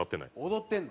踊ってんの？